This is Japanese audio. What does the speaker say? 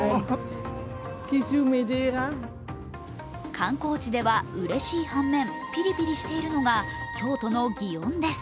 観光地ではうれしい反面、ピリピリしているのが、京都の祇園です。